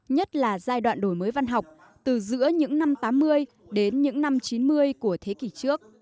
nhất là giai đoạn đổi mới văn học từ giữa những năm tám mươi đến những năm chín mươi của thế kỷ trước